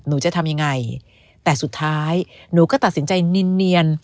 หนูจะทำยังไงแต่สุดท้ายหนูก็ตัดสินใจเนียน